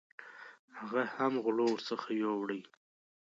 هغه هم غلو ورڅخه یوړې.